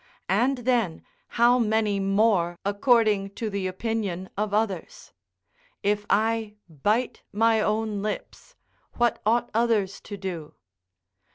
and then how many more, according to the opinion of others? If I bite my own lips, what ought others to do?